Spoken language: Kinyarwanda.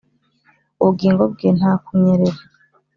ubugingo bwe nta kunyerera -